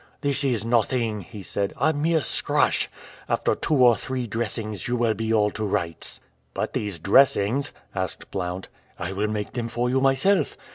"This is nothing," he said. "A mere scratch! After two or three dressings you will be all to rights." "But these dressings?" asked Blount. "I will make them for you myself."